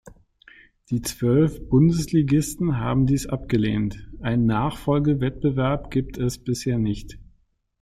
Die zwölf Bundesligisten haben dies abgelehnt, einen Nachfolgewettbewerb gibt es bisher nicht.